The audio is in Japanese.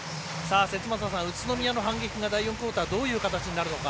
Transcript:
節政さん、宇都宮の反撃が第４クオーターどういう形になるのか。